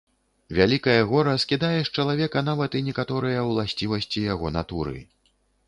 Вялікае гора скідае з чалавека нават і некаторыя ўласцівасці яго натуры.